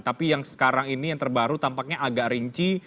tapi yang sekarang ini yang terbaru tampaknya agak rinci